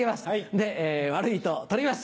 で悪いと取ります。